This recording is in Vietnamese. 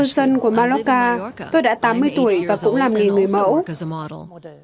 tôi tuôn dân của malloka tôi đã tám mươi tuổi và cũng làm nghề người mẫu